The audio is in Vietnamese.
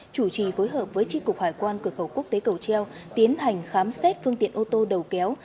chủ trì phối hợp với tri cục hải quan cửa khẩu quốc tế cầu treo tiến hành khám xét phương tiện ô tô đầu kéo